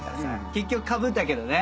結局かぶったけどね。